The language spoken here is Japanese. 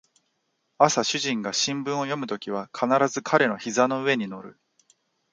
朝主人が新聞を読むときは必ず彼の膝の上に乗る